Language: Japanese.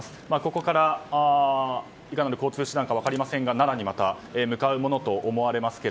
ここからいかなる交通手段か分かりませんが奈良に向かうものと思われます。